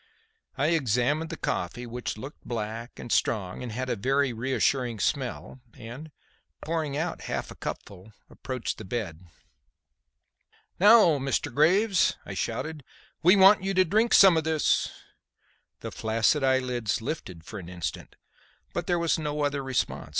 I examined the coffee, which looked black and strong and had a very reassuring smell, and, pouring out half a cupful, approached the bed. "Now, Mr. Graves," I shouted, "we want you to drink some of this." The flaccid eyelids lifted for an instant but there was no other response.